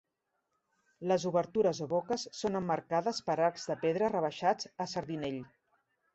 Les obertures o boques són emmarcades per arcs de pedra rebaixats a sardinell.